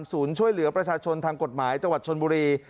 ช่วยเหลือประชาชนทางกฎหมายจังหวัดชนบุรี